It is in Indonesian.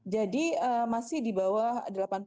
jadi masih di bawah delapan